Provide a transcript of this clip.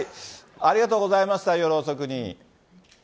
ありがとうございました、夜遅くに。